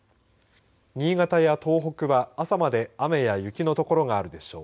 新潟や東北は朝まで雨や雪の所があるでしょう。